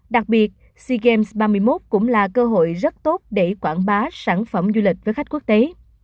đặc biệt sea games ba mươi một cũng là cơ hội rất tốt để quảng bá sản phẩm du lịch với khách quốc tế